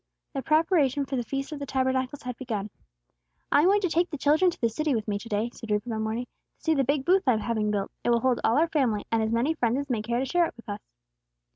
The preparation for the Feast of the Tabernacles had begun. "I am going to take the children to the city with me to day!" said Reuben, one morning, "to see the big booth I am having built. It will hold all our family, and as many friends as may care to share it with us."